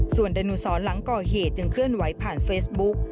ส่วนดนุสรหลังก่อเหตุยังเคลื่อนไหวผ่านเฟซบุ๊ก